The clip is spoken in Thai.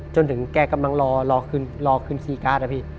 จนถึงแกกำลังรอขึ้นคีย์การ์ดอะพี่